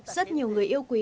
rất nhiều người yêu quý